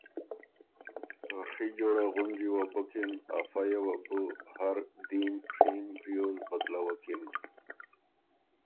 ڒی جوړۀ غُنجی وه بُکِن ا فئ یه وه بُو هر دیم ڒیم ریوز بدلوکِن۔